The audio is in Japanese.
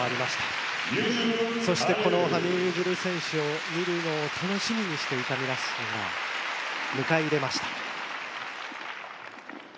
そしてこの羽生結弦選手を見るのを楽しみにしていた皆さんが迎え入れました。